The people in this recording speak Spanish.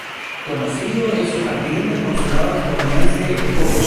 Conocido es su jardín del consulado estadounidense en Kōbe.